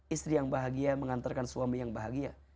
istri yang bahagia mengantarkan suami yang bahagia